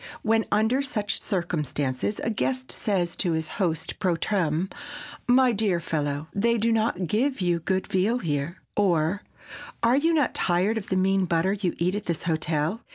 When, under such circumstances, a guest says to his host pro tem., "My dear fellow, they do not give you good veal here!" or, "Are you not tired of the mean butter you eat at this hotel?"